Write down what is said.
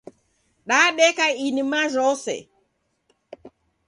Dadeka idima jhose.